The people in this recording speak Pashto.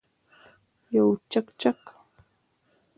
یو چکچک